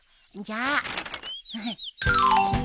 じゃあ。